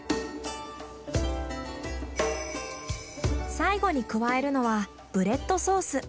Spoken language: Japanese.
最後に加えるのはブレッドソース。